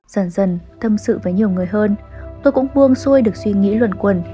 dần dần tâm sự với nhiều người hơn tôi cũng buông xuôi được suy nghĩ luận quần